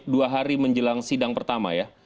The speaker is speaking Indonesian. dua hari menjelang sidang pertama ya